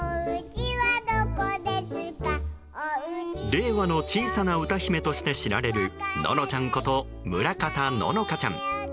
令和の小さな歌姫として知られるののちゃんこと村方乃々佳ちゃん。